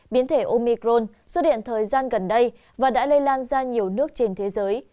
biến thể omicron xuất hiện thời gian gần đây và đã lây lan ra nhiều nước trên thế giới